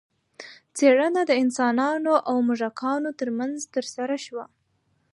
څېړنه د انسانانو او موږکانو ترمنځ ترسره شوه.